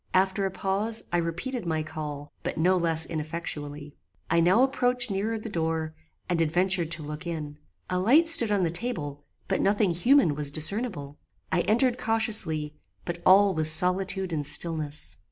After a pause I repeated my call, but no less ineffectually. "I now approached nearer the door, and adventured to look in. A light stood on the table, but nothing human was discernible. I entered cautiously, but all was solitude and stillness.